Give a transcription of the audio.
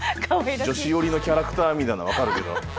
女子よりのキャラクターみたいな分かるけど。